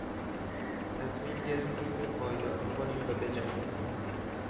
تصمیم گرفتیم که پایداری کنیم و بجنگیم.